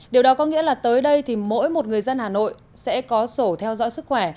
điều đó có nghĩa là tới đây thì mỗi một người dân hà nội sẽ có sổ theo dõi sức khỏe